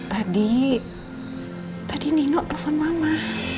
tadi tadi nino telepon mama